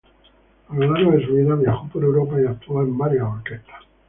A lo largo de su vida viajó por Europa y actuó en varias orquestas.